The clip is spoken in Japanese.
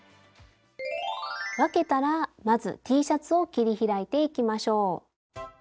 分けたらまずＴシャツを切り開いていきましょう。